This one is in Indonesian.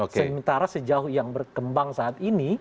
sementara sejauh yang berkembang saat ini